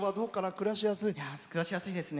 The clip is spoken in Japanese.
暮らしやすいですね。